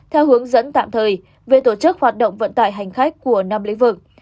theo hướng dẫn tạm thời về tổ chức hoạt động vận tải hành khách của năm lĩnh vực